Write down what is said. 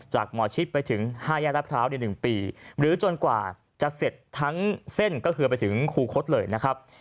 หมอชิดไปถึง๕แยกรัฐพร้าวใน๑ปีหรือจนกว่าจะเสร็จทั้งเส้นก็คือไปถึงครูคดเลยนะครับ